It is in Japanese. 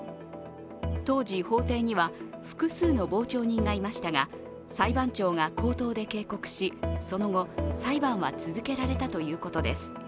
当時、法定には複数の傍聴人がいましたが、裁判長が口頭で警告し、その後、裁判は続けられたということです。